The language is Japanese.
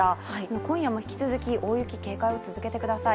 今夜も引き続き大雪警戒を続けてください。